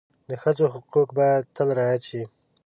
د ښځو حقوق باید تل رعایت شي.